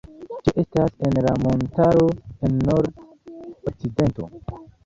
Tio estas en la montaro, en nord-okcidento.